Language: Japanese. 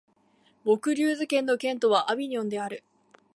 ヴォクリューズ県の県都はアヴィニョンである